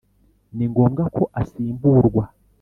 ni ngombwa ko asimburwa